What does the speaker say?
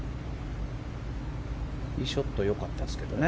ティーショット良かったですけどね。